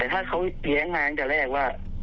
แต่ถ้าเขาเถียงมาตั้งแต่แรกว่า